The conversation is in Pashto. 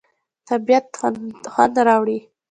طبیعت خوند راوړي.